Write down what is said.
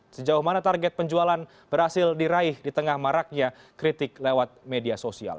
sejauh mana target penjualan berhasil diraih di tengah maraknya kritik lewat media sosial